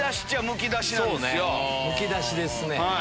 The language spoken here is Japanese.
むき出しですね。